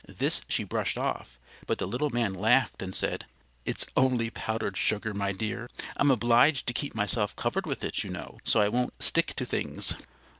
This she brushed off, but the little man laughed and said. "It's only powdered sugar, my dear. I'm obliged to keep myself covered with it, you know, so I won't stick to things."